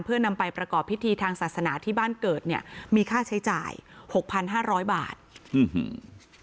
เพื่อนำไปประกอบพิธีทางศาสนาที่บ้านเกิดเนี่ยมีค่าใช้จ่ายหกพันห้าร้อยบาทอื้อหือ